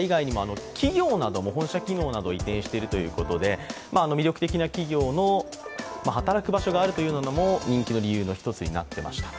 本社企業なども移転しているということで魅力的な企業の働く場所があるというのも人気の理由の一つになっていました。